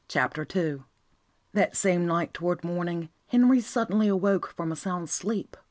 CHAPTER II. That same night toward morning Henry suddenly awoke from a sound sleep.